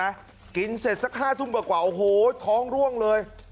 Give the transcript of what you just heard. ใช่ไหมกินเสร็จสักห้าทุ่มกว่าโอ้โหท้องร่วงเลย